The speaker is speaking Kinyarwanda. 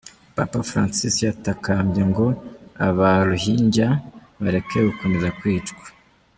Papa Francis yatakambye ngo aba Rohingya bareke gukomeza kwicwa.